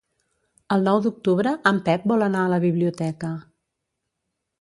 El nou d'octubre en Pep vol anar a la biblioteca.